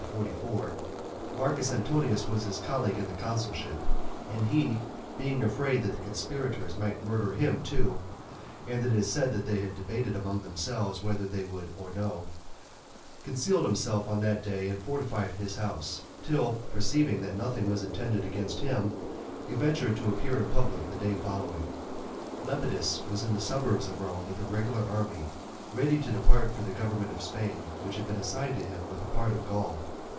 44 Marcus Antonius was his colleague in the consulship, and he, being afraid that the conspirators might murder him too, (and it is said that they had debated among themselves whether they would or no) concealed himself on that day and fortified his house, till perceiving that nothing was intended against him, he ventured to appear in public the day following. Lepidus was in the suburbs of Rome with a regular army, ready to depart for the government of Spain, which had been assigned to him with a part of Gaul.